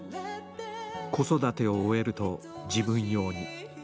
子育てを終えると、自分用に。